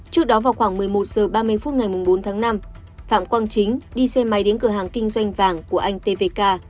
trước đó vào khoảng một mươi một h ba mươi phút ngày bốn tháng năm phạm quang chính đi xe máy đến cửa hàng kinh doanh vàng của anh tvk